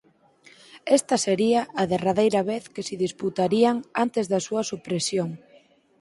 Esta sería a derradeira vez que se disputarían antes da súa supresión.